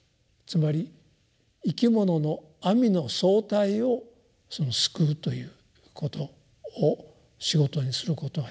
つまり生き物の網の総体を救うということを仕事にすることができると。